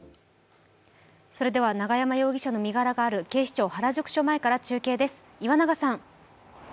それでは永山容疑者の身柄がある警視庁原宿署前から中継です。